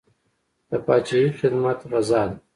د پاچاهۍ خدمت غزا ده.